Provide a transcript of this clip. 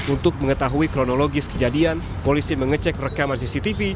untuk mengetahui kronologis kejadian polisi mengecek rekaman cctv